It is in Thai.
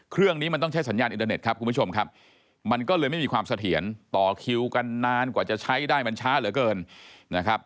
เครื่องนี้มันต้องใช้สัญญาณอินเทอร์เน็ตครับคุณผู้ชมครับมันก็เลยไม่มีความเสถียรต่อคิวกันนานกว่าจะใช้ได้มันช้าเหลือเกินนะครับ